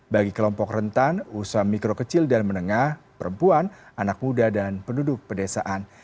bagi kelompok rentan usaha mikro kecil dan menengah perempuan anak muda dan penduduk pedesaan